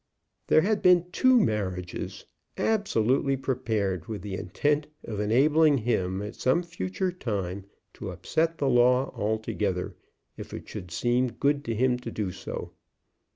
There had been two marriages, absolutely prepared with the intent of enabling him at some future time to upset the law altogether, if it should seem good to him to do so.